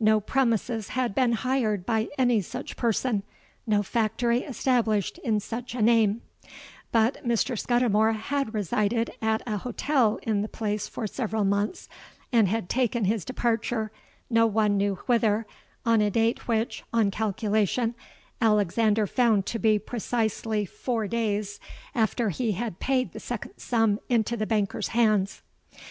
No premises had been hired by any such person—no factory established in such a name: but Mr. Scudimore had resided at an hotel in the place for several months, and had taken his departure, no one knew whither, at a date which, on calculation, Alexander found to be precisely four days after he had paid the second sum into the banker's hands.